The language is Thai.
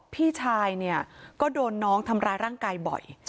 พี่ชายเนี่ยก็โดนน้องทำร้ายร่างกายบ่อย